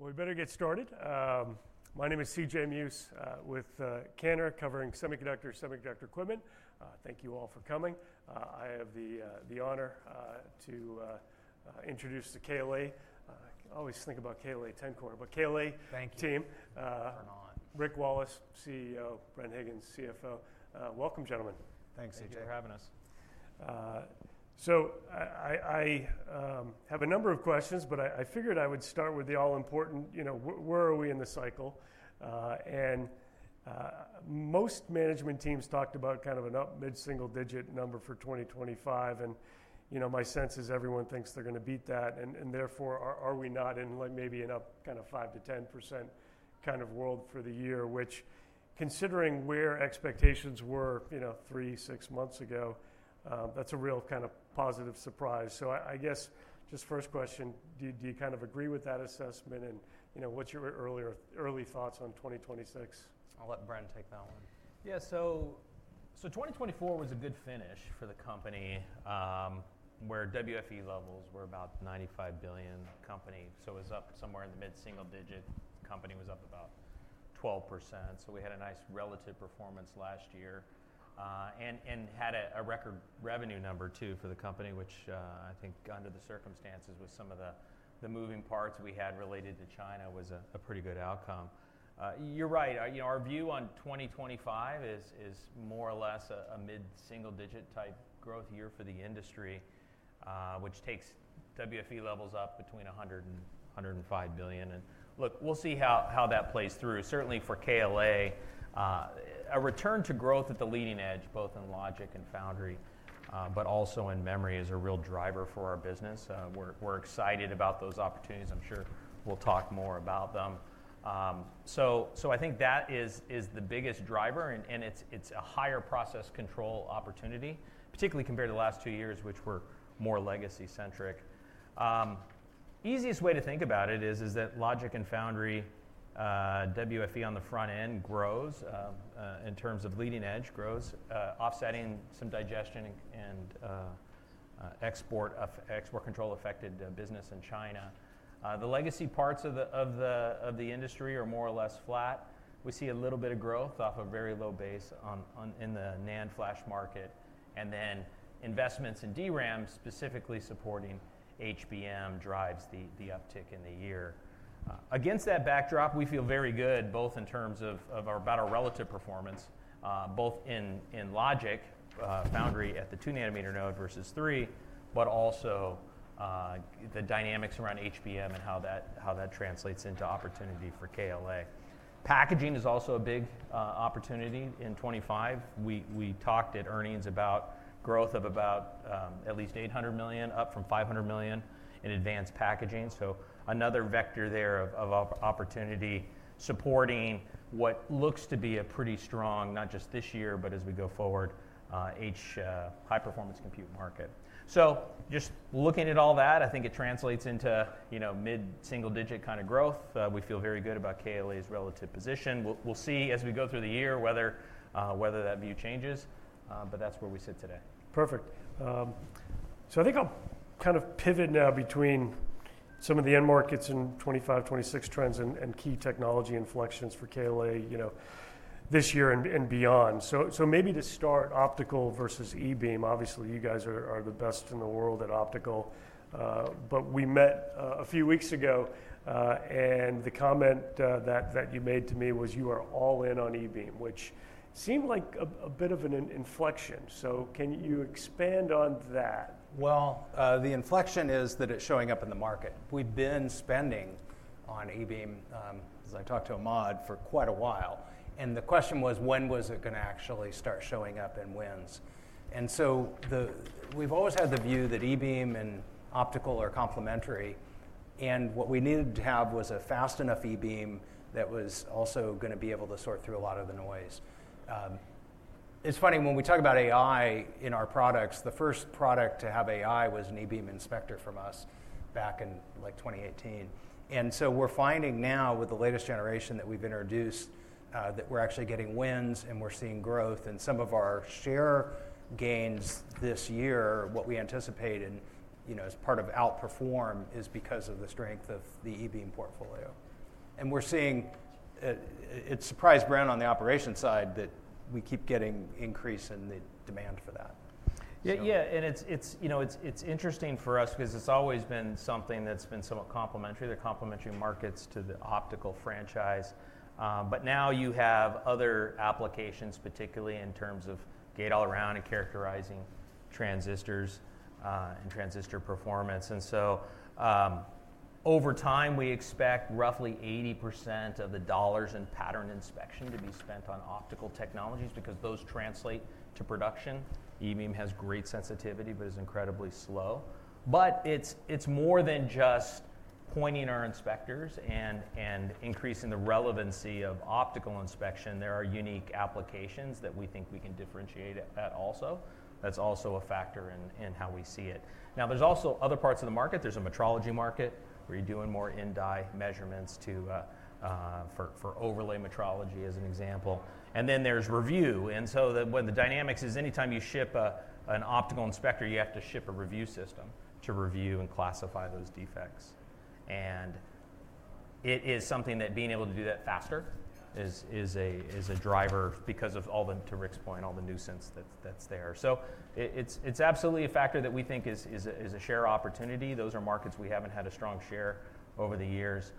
We better get started. My name is C.J. Muse, with Cantor covering semiconductors, semiconductor equipment. Thank you all for coming. I have the honor to introduce KLA. Always think about KLA-Tencor, but KLA. Thank you. Team. Thank you for having us. Rick Wallace, CEO, Brenn Higgins ,CFO. Welcome, gentlemen. Thanks, C.J. for having us. I have a number of questions, but I figured I would start with the all-important, you know, where are we in the cycle? Most management teams talked about kind of an up, mid-single digit number for 2025. You know, my sense is everyone thinks they're gonna beat that. Therefore, are we not in, like, maybe an up kind of 5-10% kind of world for the year, which, considering where expectations were, you know, three, six months ago, that's a real kind of positive surprise. I guess just first question, do you kind of agree with that assessment? You know, what's your early thoughts on 2026? I'll let Brenn take that one. Yeah. 2024 was a good finish for the company, where WFE levels were about $95 billion company. It was up somewhere in the mid-single digit. The company was up about 12%. We had a nice relative performance last year, and had a record revenue number too for the company, which, I think under the circumstances with some of the moving parts we had related to China was a pretty good outcome. You're right. You know, our view on 2025 is more or less a mid-single digit type growth year for the industry, which takes WFE levels up between $100 billion and $105 billion. Look, we'll see how that plays through. Certainly for KLA, a return to growth at the leading edge, both in logic and foundry, but also in memory is a real driver for our business. We're excited about those opportunities. I'm sure we'll talk more about them. I think that is the biggest driver. It's a higher process control opportunity, particularly compared to the last two years, which were more legacy centric. Easiest way to think about it is that logic and foundry, WFE on the front end grows, in terms of leading edge grows, offsetting some digestion and export control affected business in China. The legacy parts of the industry are more or less flat. We see a little bit of growth off a very low base in the NAND flash market. Investments in DRAM specifically supporting HBM drives the uptick in the year. Against that backdrop, we feel very good both in terms of our relative performance, both in logic, foundry at the 2nm node versus 3, but also the dynamics around HBM and how that translates into opportunity for KLA. Packaging is also a big opportunity in 2025. We talked at earnings about growth of at least $800 million, up from $500 million in advanced packaging. Another vector there of opportunity supporting what looks to be a pretty strong, not just this year, but as we go forward, high performance compute market. Just looking at all that, I think it translates into, you know, mid-single digit kind of growth. We feel very good about KLA's relative position. We'll see as we go through the year whether that view changes. That's where we sit today. Perfect. I think I'll kind of pivot now between some of the end markets and '25, '26 trends and key technology inflections for KLA, you know, this year and beyond. Maybe to start, optical versus E-beam, obviously you guys are the best in the world at optical. We met a few weeks ago, and the comment that you made to me was you are all in on E-beam, which seemed like a bit of an inflection. Can you expand on that? The inflection is that it's showing up in the market. We've been spending on E-beam, as I talked to Ahmad for quite a while. The question was, when was it gonna actually start showing up and wins? We've always had the view that E-beam and optical are complimentary. What we needed to have was a fast enough E-beam that was also gonna be able to sort through a lot of the noise. It's funny when we talk about AI in our products, the first product to have AI was an E-beam inspector from us back in like 2018. We're finding now with the latest generation that we've introduced, that we're actually getting wins and we're seeing growth. Some of our share gains this year, what we anticipate and, you know, as part of outperform is because of the strength of the E-beam portfolio. We are seeing, it surprised Brenn on the operation side that we keep getting increase in the demand for that. Yeah. Yeah. It is, you know, it is interesting for us 'cause it has always been something that has been somewhat complementary. They are complementary markets to the optical franchise. Now you have other applications, particularly in terms of GateAll Around and characterizing transistors, and transistor performance. Over time we expect roughly 80% of the dollars in pattern inspection to be spent on optical technologies because those translate to production. E-beam has great sensitivity, but is incredibly slow. It is more than just pointing our inspectors and increasing the relevancy of optical inspection. There are unique applications that we think we can differentiate at also. That is also a factor in how we see it. Now there are also other parts of the market. There is a metrology market where you are doing more in-die measurements for overlay metrology as an example. Then there is review. The dynamics are anytime you ship an optical inspector, you have to ship a review system to review and classify those defects. It is something that being able to do that faster is a driver because of all the, to Rick's point, all the nuisance that is there. It is absolutely a factor that we think is a share opportunity. Those are markets we have not had a strong share over the years.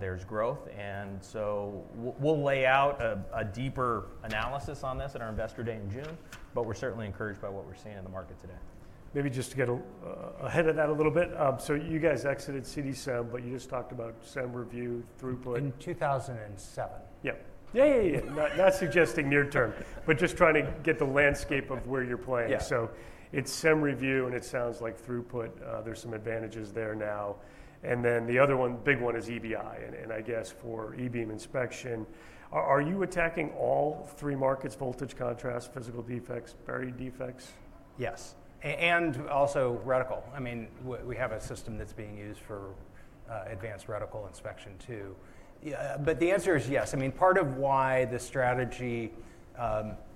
There is growth. We will lay out a deeper analysis on this at our investor day in June, but we're certainly encouraged by what we're seeing in the market today. Maybe just to get ahead of that a little bit. You guys exited CD-SEM, but you just talked about SEM review throughput. In 2007. Yep. Yeah, yeah, yeah. Not suggesting near term, but just trying to get the landscape of where you're playing. Yeah. It's SEM review and it sounds like throughput, there's some advantages there now. The other one, big one is EBI. I guess for E-beam inspection, are you attacking all three markets? Voltage, contrast, physical defects, buried defects? Yes. And also reticle. I mean, we have a system that's being used for advanced reticle inspection too. Yeah. The answer is yes. I mean, part of why the strategy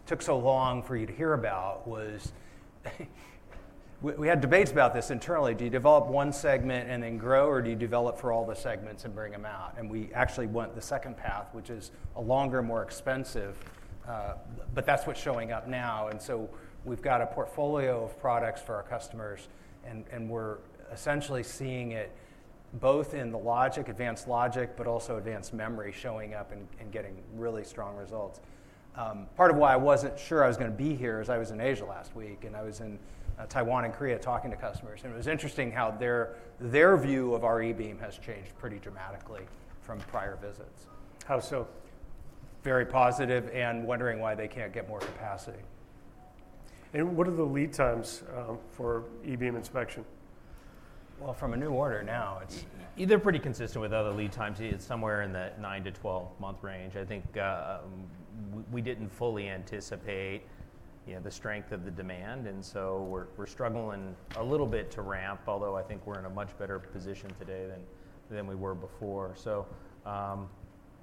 took so long for you to hear about was we had debates about this internally. Do you develop one segment and then grow, or do you develop for all the segments and bring them out? We actually went the second path, which is a longer, more expensive, but that's what's showing up now. We have a portfolio of products for our customers and we're essentially seeing it both in the logic, advanced logic, but also advanced memory showing up and getting really strong results. Part of why I wasn't sure I was gonna be here is I was in Asia last week and I was in Taiwan and Korea talking to customers. It was interesting how their view of our E-beam has changed pretty dramatically from prior visits. How so? Very positive and wondering why they can't get more capacity. What are the lead times for E-beam inspection? From a new order now, it's either pretty consistent with other lead times. It's somewhere in the nine- to 12-month range. I think we didn't fully anticipate, you know, the strength of the demand. We are struggling a little bit to ramp, although I think we're in a much better position today than we were before.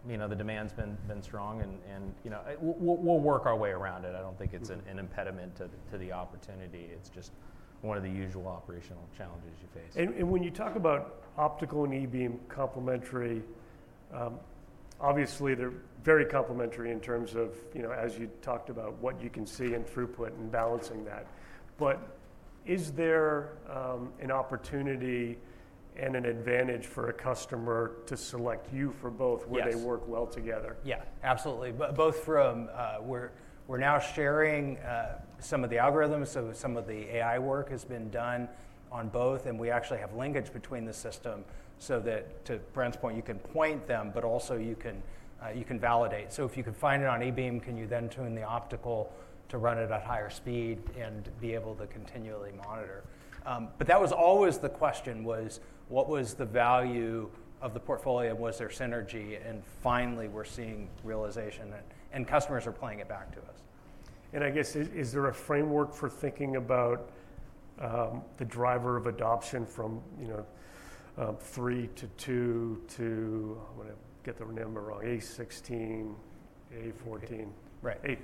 You know, the demand's been strong and, you know, we'll work our way around it. I don't think it's an impediment to the opportunity. It's just one of the usual operational challenges you face. When you talk about optical and E-beam complimentary, obviously they're very complimentary in terms of, you know, as you talked about what you can see in throughput and balancing that. Is there an opportunity and an advantage for a customer to select you for both? Yes. Where they work well together. Yeah, absolutely. Both from, we're now sharing some of the algorithms. So some of the AI work has been done on both. And we actually have linkage between the system so that to Brenn's point, you can point them, but also you can validate. So if you can find it on E-beam, can you then tune the optical to run it at higher speed and be able to continually monitor? That was always the question, what was the value of the portfolio? Was there synergy? Finally we're seeing realization of that, and customers are playing it back to us. I guess is, is there a framework for thinking about, the driver of adoption from, you know, three to two to, I wanna get the name of my wrong, A16, A14. Right. A14.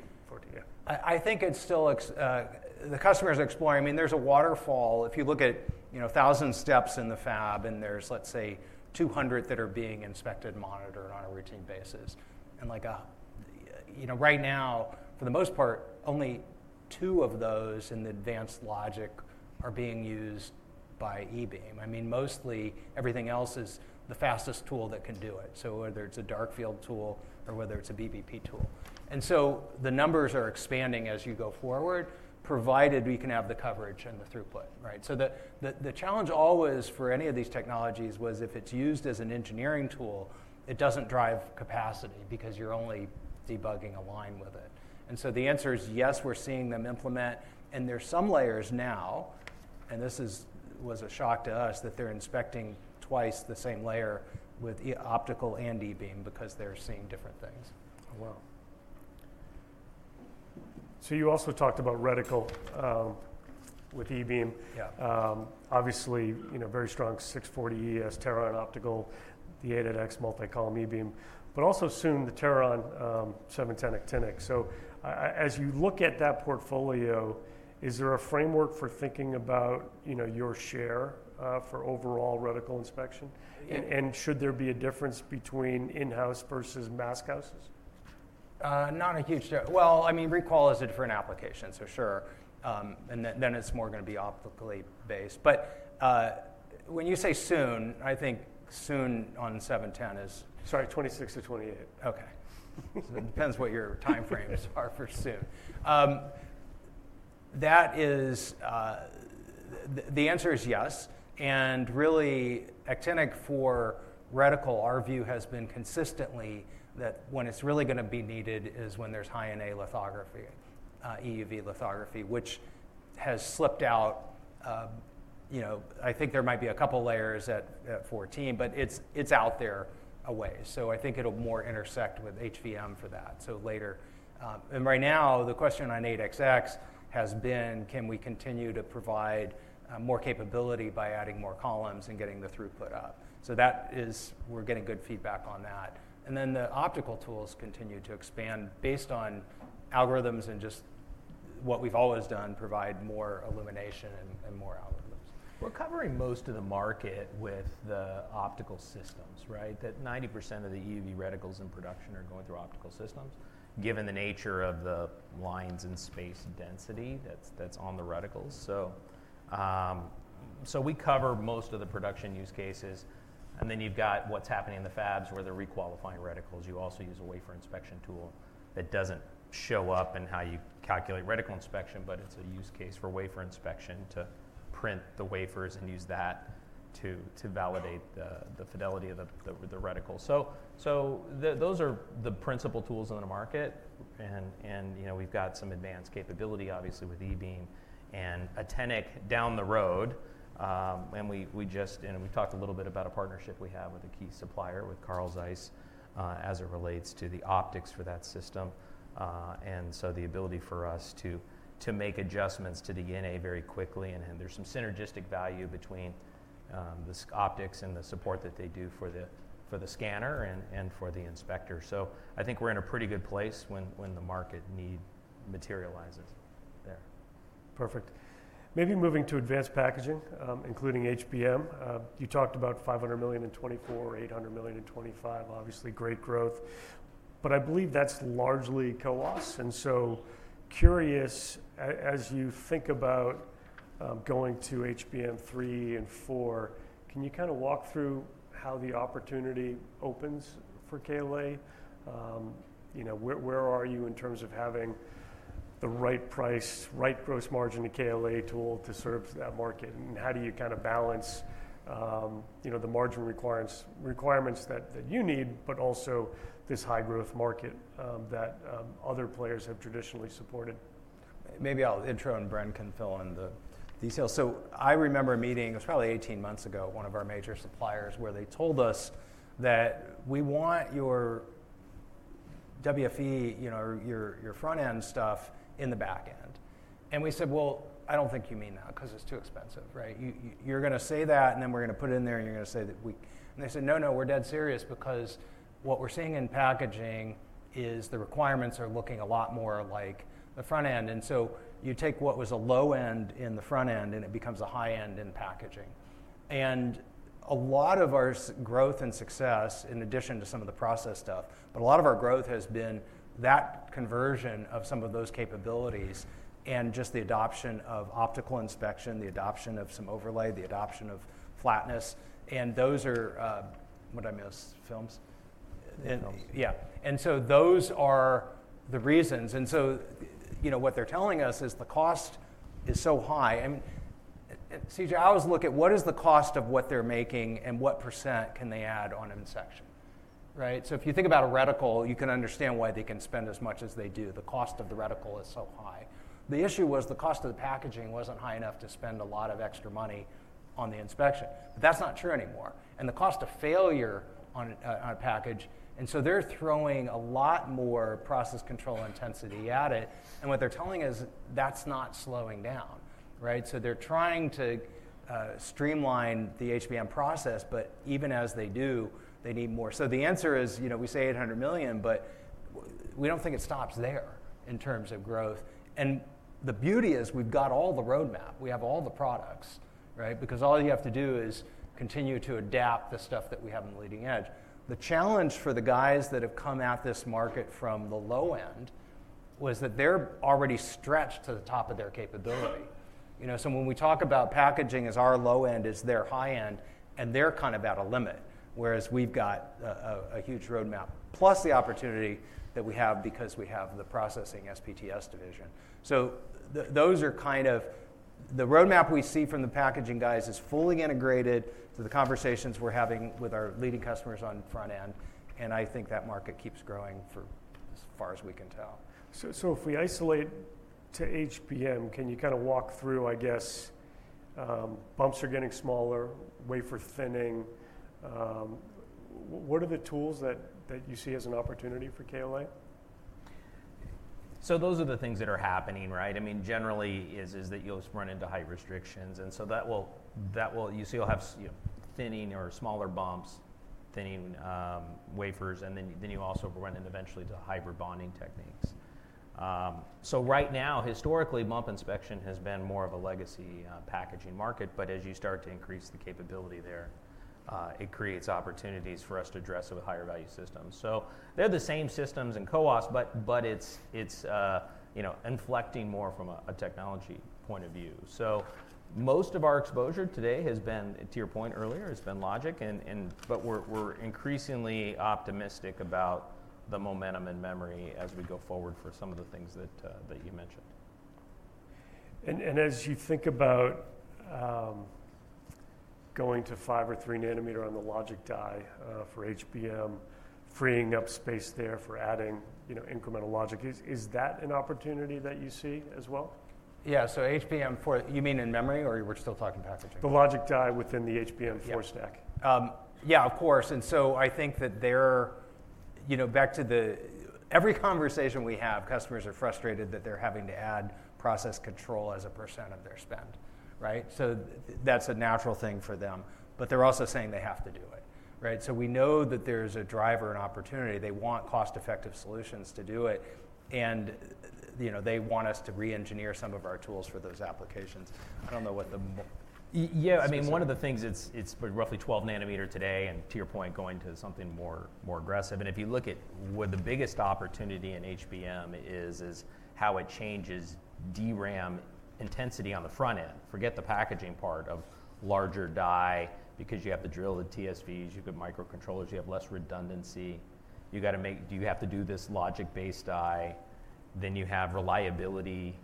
Yeah. I think it still, the customers are exploring. I mean, there's a waterfall. If you look at, you know, a thousand steps in the fab and there's, let's say, 200 that are being inspected, monitored on a routine basis. And like a, you know, right now, for the most part, only two of those in the advanced logic are being used by E-beam. I mean, mostly everything else is the fastest tool that can do it. So whether it's a dark field tool or whether it's a BBP tool. And so the numbers are expanding as you go forward, provided we can have the coverage and the throughput, right? The challenge always for any of these technologies was if it's used as an engineering tool, it doesn't drive capacity because you're only debugging a line with it. The answer is yes, we're seeing them implement. There's some layers now, and this was a shock to us that they're inspecting twice the same layer with optical and E-beam because they're seeing different things. Wow. You also talked about reticle, with E-beam. Yeah. Obviously, you know, very strong 640ES, Teron optical, the 8X multi-column E-beam, but also soon the Teron 710X,. so as you look at that portfolio, is there a framework for thinking about, you know, your share for overall reticle inspection? Yeah. Should there be a difference between in-house versus mask houses? Not a huge share. I mean, recall is a different application for sure, and then it's more gonna be optically based. When you say soon, I think soon on 710 is. Sorry, 26 to 28. Okay. It depends what your timeframes are for soon. That is, the answer is yes. Really, actinic for reticle, our view has been consistently that when it's really gonna be needed is when there's high NA lithography, EUV lithography, which has slipped out. You know, I think there might be a couple layers at A14, but it's out there a way. I think it'll more intersect with HVM for that. Later, right now the question on 8X has been, can we continue to provide more capability by adding more columns and getting the throughput up? That is, we're getting good feedback on that. The optical tools continue to expand based on algorithms and just what we've always done, provide more illumination and more algorithms. We're covering most of the market with the optical systems, right? That 90% of the EUV reticles in production are going through optical systems, given the nature of the lines and space and density that's on the reticles. We cover most of the production use cases. You have what's happening in the fabs where they're requalifying reticles. You also use a wafer inspection tool that does not show up in how you calculate reticle inspection, but it's a use case for wafer inspection to print the wafers and use that to validate the fidelity of the reticle. Those are the principal tools in the market. You know, we've got some advanced capability obviously with E-beam and actinic down the road. We just talked a little bit about a partnership we have with a key supplier, with Carl Zeiss, as it relates to the optics for that system. The ability for us to make adjustments to the NA very quickly, and there is some synergistic value between this optics and the support that they do for the scanner and for the inspector. I think we are in a pretty good place when the market need materializes there. Perfect. Maybe moving to advanced packaging, including HBM. You talked about $500 million in 2024 or $800 million in 2025, obviously great growth, but I believe that's largely co-ops. And so curious, as you think about going to HBM three and four, can you kind of walk through how the opportunity opens for KLA? You know, where are you in terms of having the right price, right gross margin to KLA tool to serve that market? And how do you kind of balance, you know, the margin requirements, requirements that you need, but also this high growth market that other players have traditionally supported? Maybe I'll intro and Brenn can fill in the details. I remember a meeting, it was probably 18 months ago, one of our major suppliers where they told us that we want your WFE, you know, your, your front end stuff in the backend. We said, I don't think you mean that 'cause it's too expensive, right? You, you, you're gonna say that and then we're gonna put it in there and you're gonna say that we, and they said, no, no, we're dead serious because what we're seeing in packaging is the requirements are looking a lot more like the front end. You take what was a low end in the front end and it becomes a high end in packaging. A lot of our growth and success, in addition to some of the process stuff, but a lot of our growth has been that conversion of some of those capabilities and just the adoption of optical inspection, the adoption of some overlay, the adoption of flatness. Those are, what are those films? Yeah. Those are the reasons. You know, what they're telling us is the cost is so high. I mean, C.J., I always look at what is the cost of what they're making and what % can they add on inspection, right? If you think about a reticle, you can understand why they can spend as much as they do. The cost of the reticle is so high. The issue was the cost of the packaging was not high enough to spend a lot of extra money on the inspection, but that is not true anymore. The cost of failure on a package, and so they are throwing a lot more process control intensity at it. What they are telling is that is not slowing down, right? They are trying to streamline the HBM process, but even as they do, they need more. The answer is, you know, we say $800 million, but we do not think it stops there in terms of growth. The beauty is we have got all the roadmap, we have all the products, right? Because all you have to do is continue to adapt the stuff that we have in the leading edge. The challenge for the guys that have come at this market from the low end was that they're already stretched to the top of their capability. You know, when we talk about packaging as our low end is their high end and they're kind of at a limit, whereas we've got a huge roadmap plus the opportunity that we have because we have the processing SPTS division. Those are kind of the roadmap we see from the packaging guys is fully integrated to the conversations we're having with our leading customers on front end. I think that market keeps growing for as far as we can tell. If we isolate to HBM, can you kind of walk through, I guess, bumps are getting smaller, wafer thinning, what are the tools that you see as an opportunity for KLA? Those are the things that are happening, right? I mean, generally is, is that you'll run into height restrictions. That will, you see, you'll have, you know, thinning or smaller bumps, thinning wafers. Then you also run in eventually to hybrid bonding techniques. Right now, historically, bump inspection has been more of a legacy packaging market, but as you start to increase the capability there, it creates opportunities for us to address with higher value systems. They are the same systems and co-ops, but, but it's, it's, you know, inflecting more from a technology point of view. Most of our exposure today has been, to your point earlier, has been logic and, and, but we're, we're increasingly optimistic about the momentum in memory as we go forward for some of the things that, that you mentioned. As you think about going to five or three nanometer on the logic die, for HBM, freeing up space there for adding, you know, incremental logic, is that an opportunity that you see as well? Yeah. HBM four, you mean in memory or we're still talking packaging? The logic die within the HBM four stack. Yeah, yeah, of course. I think that they're, you know, back to the, every conversation we have, customers are frustrated that they're having to add process control as a % of their spend, right? That's a natural thing for them, but they're also saying they have to do it, right? We know that there's a driver and opportunity. They want cost-effective solutions to do it. You know, they want us to re-engineer some of our tools for those applications. I don't know what the, yeah, I mean, one of the things, it's roughly 12 nanometer today. To your point, going to something more, more aggressive. If you look at where the biggest opportunity in HBM is, it's how it changes DRAM intensity on the front end. Forget the packaging part of larger die because you have to drill the TSVs, you get microcontrollers, you have less redundancy. You gotta make, do you have to do this logic-based die? Then you have reliability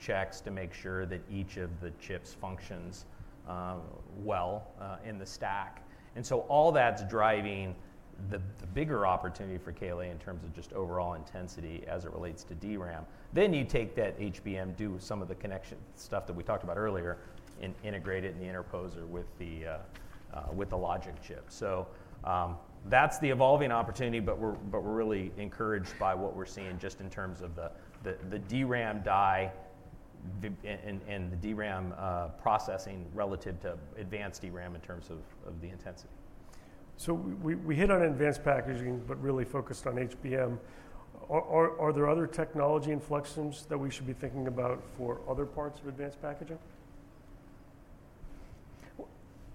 checks to make sure that each of the chips functions, well, in the stack. All that's driving the bigger opportunity for KLA in terms of just overall intensity as it relates to DRAM. You take that HBM, do some of the connection stuff that we talked about earlier and integrate it in the interposer with the logic chip. That's the evolving opportunity, but we're really encouraged by what we're seeing just in terms of the DRAM die and the DRAM processing relative to advanced DRAM in terms of the intensity. We hit on advanced packaging, but really focused on HBM. Are there other technology inflections that we should be thinking about for other parts of advanced packaging?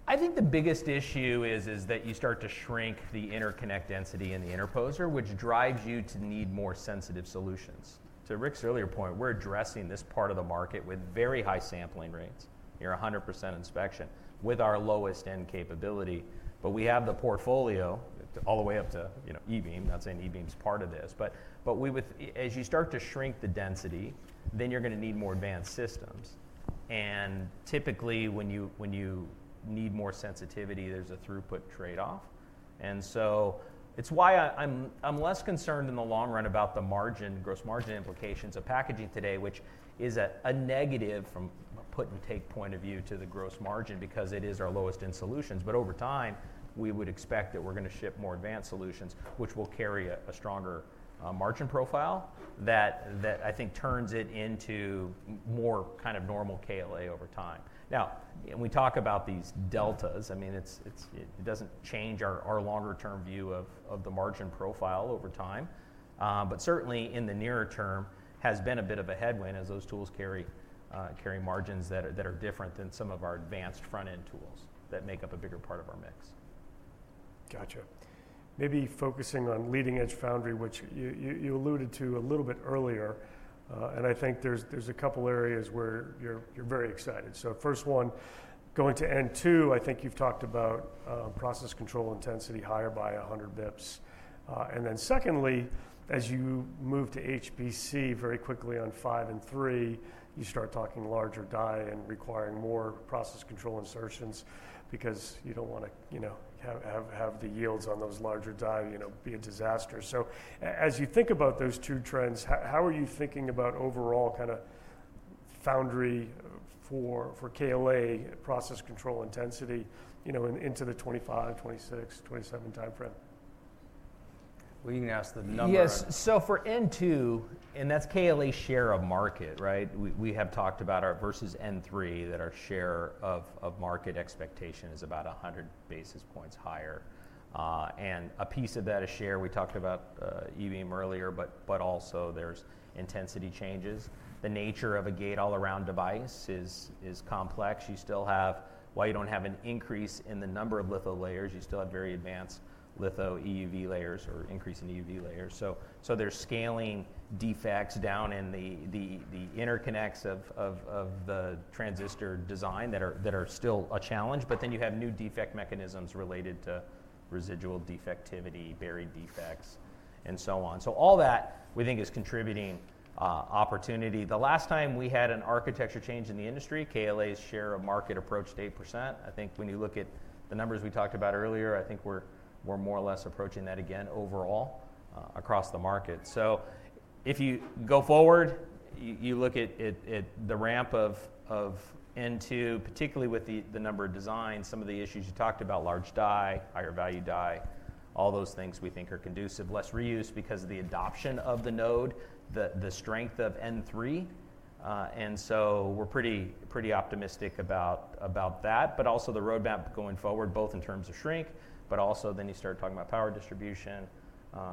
I think the biggest issue is, is that you start to shrink the interconnect density in the interposer, which drives you to need more sensitive solutions. To Rick's earlier point, we're addressing this part of the market with very high sampling rates near 100% inspection with our lowest end capability, but we have the portfolio all the way up to, you know, E-beam. Not saying E-beam's part of this, but, but we, with, as you start to shrink the density, then you're gonna need more advanced systems. Typically when you need more sensitivity, there's a throughput trade-off. It is why I, I'm less concerned in the long run about the margin, gross margin implications of packaging today, which is a negative from a put and take point of view to the gross margin because it is our lowest end solutions. Over time, we would expect that we're gonna ship more advanced solutions, which will carry a, a stronger margin profile that, that I think turns it into more kind of normal KLA over time. Now, when we talk about these deltas, I mean, it doesn't change our longer term view of the margin profile over time, but certainly in the nearer term has been a bit of a headwind as those tools carry margins that are different than some of our advanced front end tools that make up a bigger part of our mix. Gotcha. Maybe focusing on leading edge foundry, which you alluded to a little bit earlier. I think there's a couple areas where you're very excited. First one, going to N2, I think you've talked about process control intensity higher by 100 basis points. Secondly, as you move to HBM very quickly on five and three, you start talking larger die and requiring more process control insertions because you don't want to, you know, have the yields on those larger die, you know, be a disaster. As you think about those two trends, how are you thinking about overall kind of foundry for KLA process control intensity into the 2025, 2026, 2027 timeframe? You can ask the number. Yes. For N2, and that is KLA share of market, right? We have talked about our versus N3 that our share of market expectation is about 100 basis points higher, and a piece of that is share. We talked about E-beam earlier, but also there are intensity changes. The nature of a gate all around device is complex. You still have, while you do not have an increase in the number of litho layers, you still have very advanced litho EUV layers or increase in EUV layers. They are scaling defects down in the interconnects of the transistor design that are still a challenge. You have new defect mechanisms related to residual defectivity, buried defects, and so on. All that we think is contributing opportunity. The last time we had an architecture change in the industry, KLA's share of market approached 8%. I think when you look at the numbers we talked about earlier, I think we're more or less approaching that again overall, across the market. If you go forward, you look at the ramp of N2, particularly with the number of designs, some of the issues you talked about, large die, higher value die, all those things we think are conducive, less reuse because of the adoption of the node, the strength of N3. We are pretty optimistic about that, but also the roadmap going forward, both in terms of shrink, but also then you start talking about power distribution,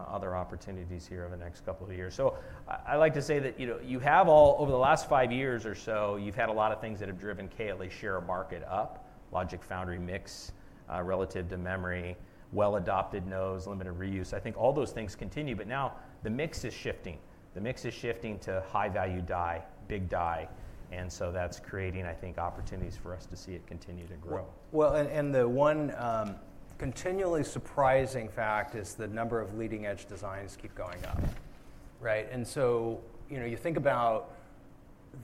other opportunities here over the next couple of years. I like to say that, you know, you have all over the last five years or so, you've had a lot of things that have driven KLA share of market up, logic foundry mix, relative to memory, well adopted nodes, limited reuse. I think all those things continue, but now the mix is shifting. The mix is shifting to high value die, big die. And so that's creating, I think, opportunities for us to see it continue to grow. The one, continually surprising fact is the number of leading edge designs keep going up, right? And so, you know, you think about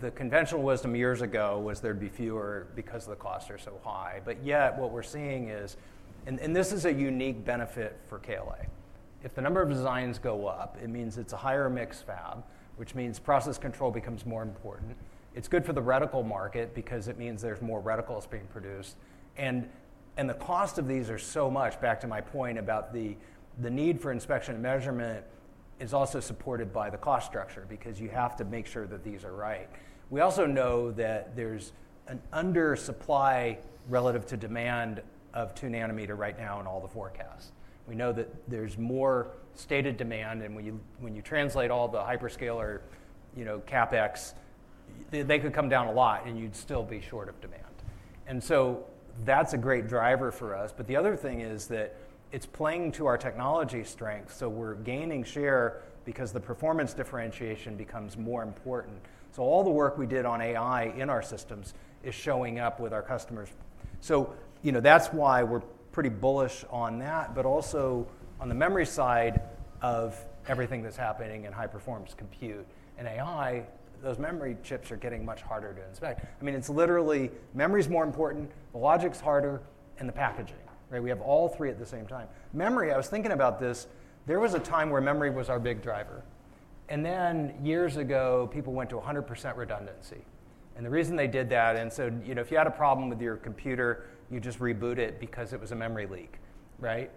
the conventional wisdom years ago was there'd be fewer because the costs are so high. Yet what we're seeing is, and this is a unique benefit for KLA. If the number of designs go up, it means it's a higher mix fab, which means process control becomes more important. It's good for the reticle market because it means there's more reticles being produced. The cost of these are so much, back to my point about the need for inspection and measurement is also supported by the cost structure because you have to make sure that these are right. We also know that there's an undersupply relative to demand of 2nm right now in all the forecasts. We know that there's more stated demand. When you translate all the hyperscaler, you know, CapEx, they could come down a lot and you'd still be short of demand. That's a great driver for us. The other thing is that it's playing to our technology strength. We're gaining share because the performance differentiation becomes more important. All the work we did on AI in our systems is showing up with our customers. You know, that's why we're pretty bullish on that, but also on the memory side of everything that's happening in high performance compute and AI, those memory chips are getting much harder to inspect. I mean, it's literally memory's more important, the logic's harder, and the packaging, right? We have all three at the same time. Memory, I was thinking about this, there was a time where memory was our big driver. Then years ago, people went to 100% redundancy. The reason they did that, and so, you know, if you had a problem with your computer, you just reboot it because it was a memory leak, right?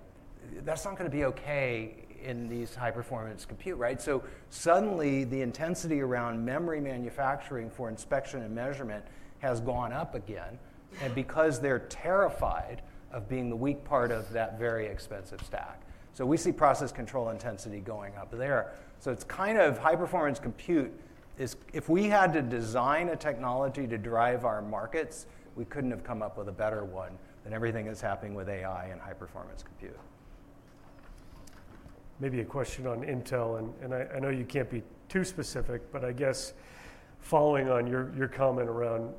That's not gonna be okay in these high performance compute, right? Suddenly the intensity around memory manufacturing for inspection and measurement has gone up again. Because they're terrified of being the weak part of that very expensive stack. We see process control intensity going up there. It's kind of high performance compute is, if we had to design a technology to drive our markets, we couldn't have come up with a better one than everything is happening with AI and high performance compute. Maybe a question on Intel. I know you can't be too specific, but I guess following on your comment around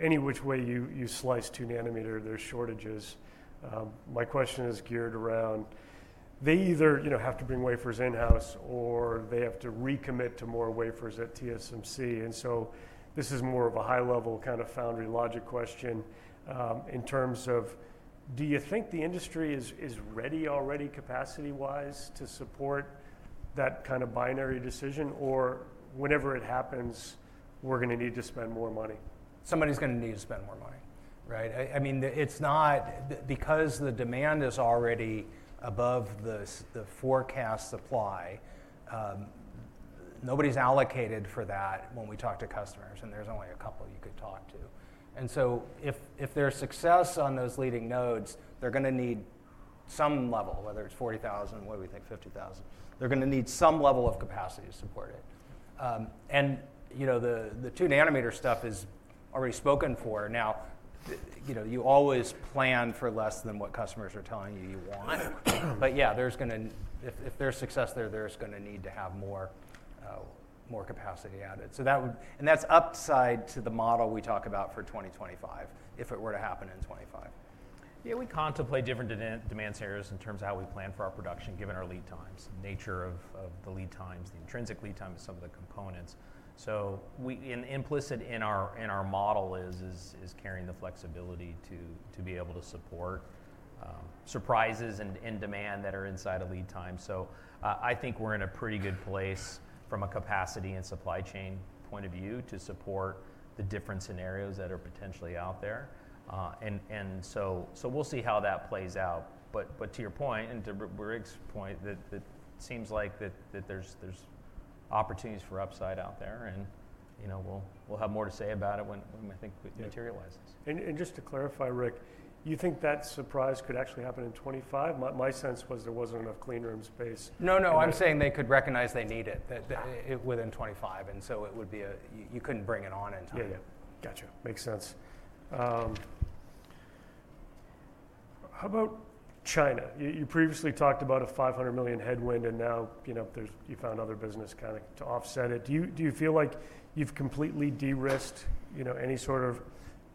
any which way you slice two nanometer, there's shortages. My question is geared around they either, you know, have to bring wafers in-house or they have to recommit to more wafers at TSMC. This is more of a high level kind of foundry logic question, in terms of, do you think the industry is ready already capacity wise to support that kind of binary decision or whenever it happens, we're gonna need to spend more money? Somebody's gonna need to spend more money, right? I mean, it's not because the demand is already above the forecast supply. Nobody's allocated for that when we talk to customers and there's only a couple you could talk to. If there's success on those leading nodes, they're gonna need some level, whether it's 40,000, what do we think, 50,000, they're gonna need some level of capacity to support it. You know, the 2nm stuff is already spoken for. Now, you always plan for less than what customers are telling you you want. But yeah, if there's success there, there's gonna need to have more, more capacity added. That would, and that's upside to the model we talk about for 2025, if it were to happen in 2025. Yeah. We contemplate different demand scenarios in terms of how we plan for our production, given our lead times, nature of the lead times, the intrinsic lead time to some of the components. We, and implicit in our model is carrying the flexibility to be able to support surprises and demand that are inside of lead time. I think we're in a pretty good place from a capacity and supply chain point of view to support the different scenarios that are potentially out there. We'll see how that plays out. To your point and to Rick's point, that seems like there are opportunities for upside out there and, you know, we'll have more to say about it when we think it materializes. Just to clarify, Rick, you think that surprise could actually happen in 2025? My sense was there was not enough clean room space. No, no, I'm saying they could recognize they need it, that it within '25. You couldn't bring it on in '25. Yeah. Yeah. Gotcha. Makes sense. How about China? You previously talked about a $500 million headwind and now, you know, there's, you found other business kind of to offset it. Do you feel like you've completely de-risked, you know, any sort of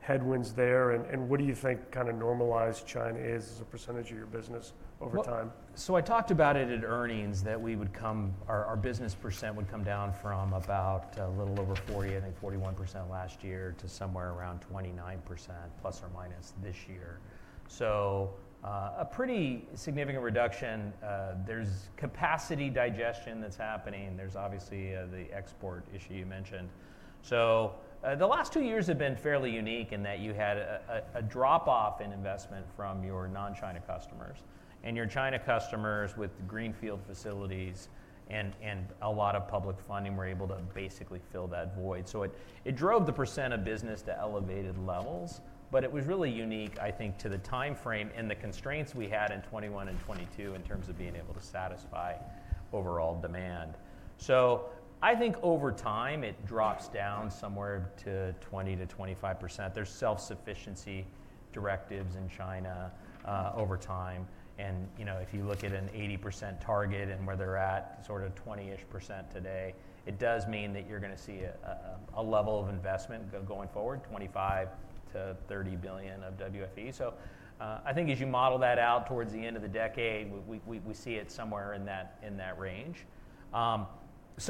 headwinds there? What do you think kind of normalized China is as a percentage of your business over time? I talked about it at earnings that we would come, our business % would come down from about a little over 40, I think 41% last year to somewhere around 29% plus or minus this year. A pretty significant reduction. There's capacity digestion that's happening. There's obviously the export issue you mentioned. The last two years have been fairly unique in that you had a drop off in investment from your non-China customers and your China customers with the greenfield facilities and a lot of public funding were able to basically fill that void. It drove the % of business to elevated levels, but it was really unique, I think, to the timeframe and the constraints we had in 2021 and 2022 in terms of being able to satisfy overall demand. I think over time it drops down somewhere to 20-25%. There's self-sufficiency directives in China, over time. And, you know, if you look at an 80% target and where they're at, sort of 20-ish percent today, it does mean that you're gonna see a level of investment going forward, $25 billion-$30 billion of WFE. I think as you model that out towards the end of the decade, we see it somewhere in that range.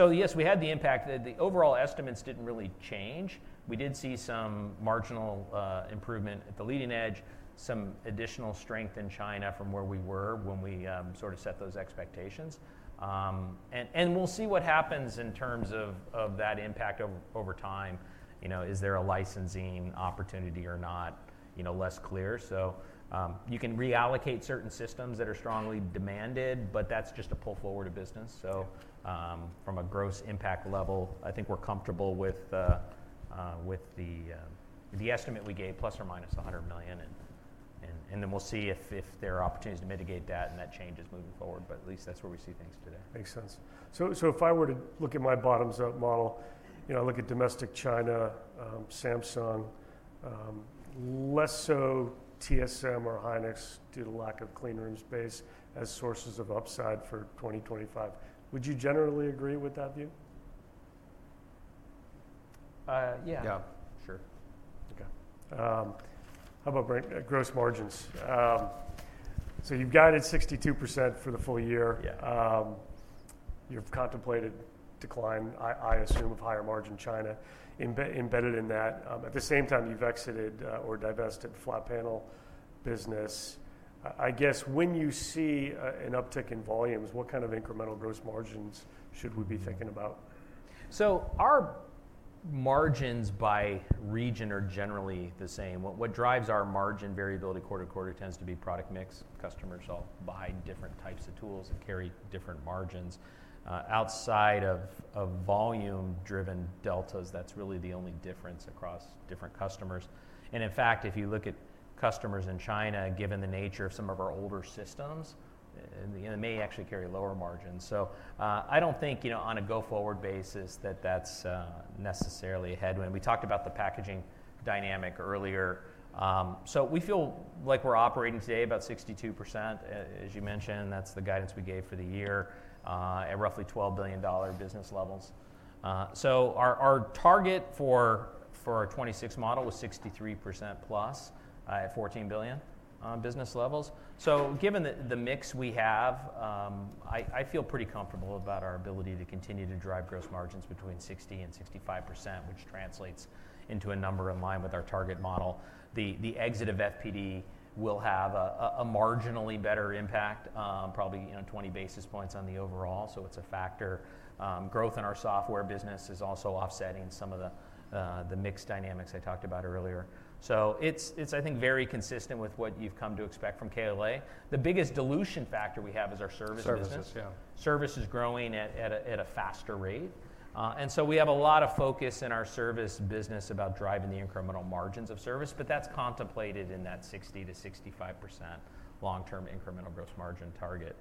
Yes, we had the impact that the overall estimates didn't really change. We did see some marginal improvement at the leading edge, some additional strength in China from where we were when we sort of set those expectations. And we'll see what happens in terms of that impact over time. You know, is there a licensing opportunity or not, you know, less clear. You can reallocate certain systems that are strongly demanded, but that's just a pull forward of business. From a gross impact level, I think we're comfortable with the estimate we gave plus or minus $100 million. Then we'll see if there are opportunities to mitigate that and that changes moving forward. At least that's where we see things today. Makes sense. If I were to look at my bottoms up model, you know, I look at domestic China, Samsung, less so TSM or Hynix due to lack of clean room space as sources of upside for 2025. Would you generally agree with that view? Yeah. Yeah. Sure. Okay. How about gross margins? So you've guided 62% for the full year. Yeah. you've contemplated decline, I assume of higher margin China embedded in that. At the same time, you've exited, or divested flat panel business. I guess when you see an uptick in volumes, what kind of incremental gross margins should we be thinking about? Our margins by region are generally the same. What drives our margin variability quarter to quarter tends to be product mix. Customers all buy different types of tools that carry different margins, outside of volume driven deltas. That is really the only difference across different customers. In fact, if you look at customers in China, given the nature of some of our older systems, they may actually carry lower margins. I do not think, you know, on a go forward basis that that is necessarily a headwind. We talked about the packaging dynamic earlier, so we feel like we are operating today about 62%, as you mentioned, and that is the guidance we gave for the year, at roughly $12 billion business levels. Our target for our 2026 model was 63% plus, at $14 billion business levels. Given the mix we have, I feel pretty comfortable about our ability to continue to drive gross margins between 60-65%, which translates into a number in line with our target model. The exit of FPD will have a marginally better impact, probably, you know, 20 basis points on the overall. So it's a factor. Growth in our software business is also offsetting some of the mixed dynamics I talked about earlier. It's, I think, very consistent with what you've come to expect from KLA. The biggest dilution factor we have is our services. Services. Yeah. Services growing at a faster rate. We have a lot of focus in our service business about driving the incremental margins of service, but that's contemplated in that 60-65% long-term incremental gross margin target.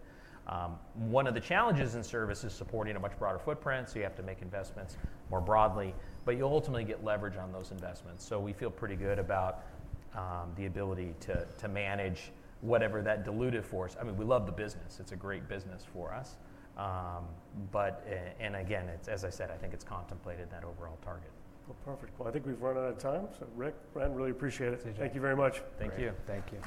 One of the challenges in service is supporting a much broader footprint. You have to make investments more broadly, but you ultimately get leverage on those investments. We feel pretty good about the ability to manage whatever that diluted force. I mean, we love the business. It's a great business for us. Again, as I said, I think it's contemplated in that overall target. Perfect. I think we've run out of time. Rick, Brenn, really appreciate it. Thank you very much. Thank you. Thank you.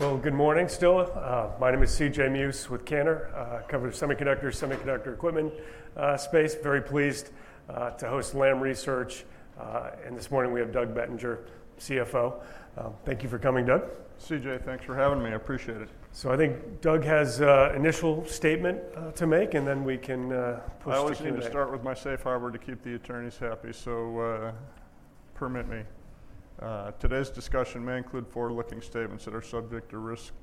Yeah. Go, go do that. All right. Good morning still. My name is C.J. Muse with Cantor, covered semiconductor, semiconductor equipment, space. Very pleased to host Lam Research. This morning we have Doug Bettinger, CFO. Thank you for coming, Doug. CJ, thanks for having me. I appreciate it. I think Doug has an initial statement to make, and then we can proceed. I always need to start with my safe harbor to keep the attorneys happy. Permit me. Today's discussion may include forward-looking statements that are subject to risk.